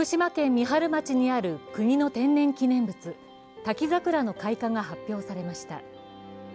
三春町にある国の天然記念物、滝桜の開花が発表されました。